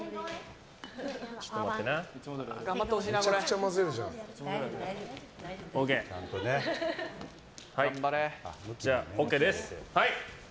めちゃくちゃ混ぜるじゃん。ＯＫです。